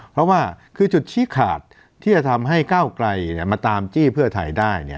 เพราะว่าคือจุดชี้ขาดที่จะทำให้ก้าวไกลมาตามจี้เพื่อไทยได้